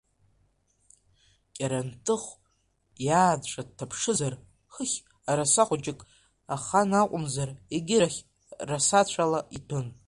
Кьарантыхә иааҵәа дҭаԥшызар, хыхь араса хәыҷык ахан акәымзар, егьирахь расацәала иҭәын.